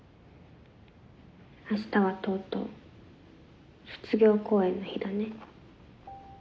明日はとうとう卒業公演の日だね。